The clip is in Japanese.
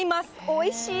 おいしい。